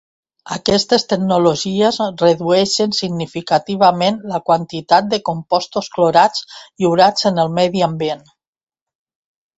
Aquestes tecnologies redueixen significativament la quantitat de compostos clorats lliurats en el medi ambient.